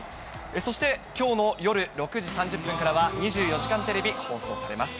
そして、きょうの夜６時３０分からは、２４時間テレビ、放送されます。